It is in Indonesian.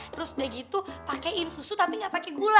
terus udah gitu pakein susu tapi gak pake gula